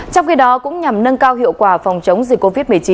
trong khi đó cũng nhằm nâng cao hiệu quả phòng chống dịch covid một mươi chín